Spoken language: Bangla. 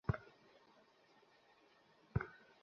কে দখল করতাসে?